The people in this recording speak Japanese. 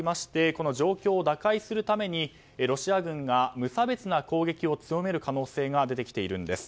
この状況を打開するためにロシア軍が無差別な攻撃を強める可能性が出てきているんです。